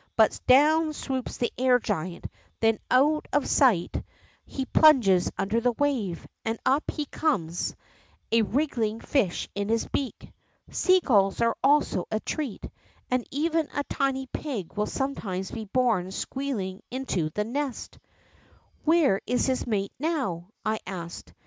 But down swoops the air giant, then out of sight 60 THE ROCK FROG he plunges under the wave, and up he comes, a wriggling fish in his beak.' ^ Sea gulls are also a treat, and even a tiny pig will soinietimes be borne squealing into the nest.' ^ Where is his mate now ?' I asked.